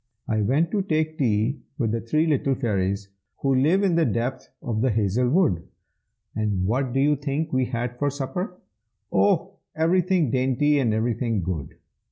I went to take tea with the three little fairies Who live in the depth of the hazel wood. And what do you think we had for supper? Oh! everything dainty and everything good.